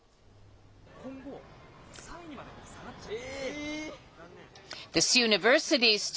今後、３位にまで下がっちゃう。